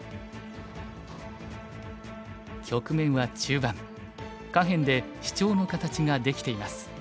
局面は中盤下辺でシチョウの形ができています。